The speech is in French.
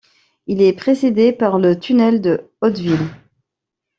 Il est précédé par le tunnel de Hauteville.